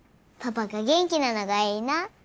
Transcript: パパが元気なのがいいな。